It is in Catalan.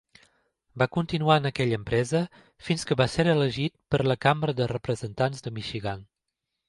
Va continuar en aquella empresa fins que va ser elegit per a la Cambra de Representants de Michigan.